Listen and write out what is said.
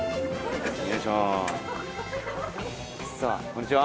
こんにちは。